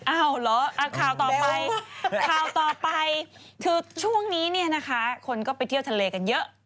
เหรอข่าวต่อไปข่าวต่อไปคือช่วงนี้เนี่ยนะคะคนก็ไปเที่ยวทะเลกันเยอะ